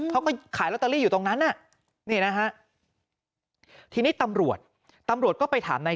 ผมไปขายล็อตเตอรี่อยู่ตรงนั้นนะทีนี้ตำรวจตำรวจก็ไปถามใน